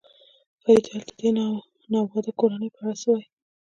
فرید وویل: د دې ناواده کورنۍ په اړه څه وایې؟